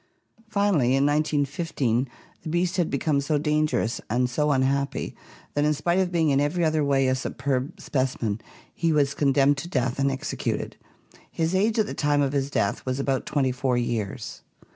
Finally in 1915 the beast had become so dangerous and so unhappy that in spite of being in every other way a superb specimen he was con demned to death and executed. His age at the time of his death was about twenty four years.